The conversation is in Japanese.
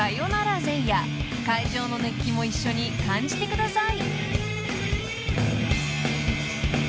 ［会場の熱気も一緒に感じてください］